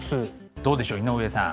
どうでしょう井上さん